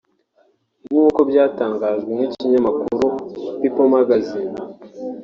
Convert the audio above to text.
Mkuko byatangajwe n’ ikinyamakuru people magazine